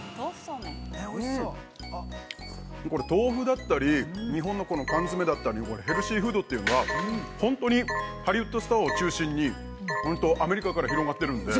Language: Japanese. ◆これ豆腐だったり、日本の缶詰だったり、ヘルシーフードというのは、本当にハリウッドスターを中心に、アメリカから広まっているので。